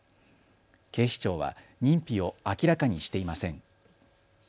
警視庁は認否を明らかにしていません。